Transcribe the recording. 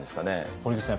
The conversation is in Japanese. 堀口さん